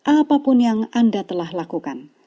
apapun yang anda telah lakukan